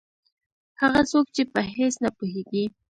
هغه څوک چې په هېڅ نه پوهېږي.